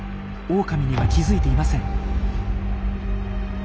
オオカミには気付いていません。